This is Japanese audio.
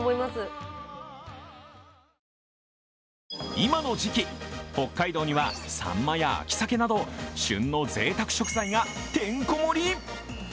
今の時期、北海道にはサンマや秋鮭など旬のぜいたく食材がてんこ盛り！